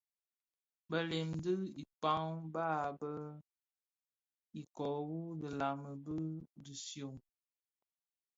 Belem dhi tikaň bas bi iköö wu dhilami, bi dhishyon,